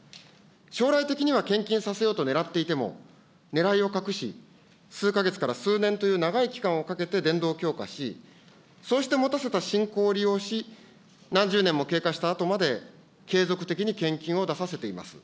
将来的には献金させようとねらっていても、ねらいを隠し、数か月から数年という長い期間をかけて伝道を強化し、そうして持たせた信仰を利用し、何十年も経過したあとまで継続的に献金を出させています。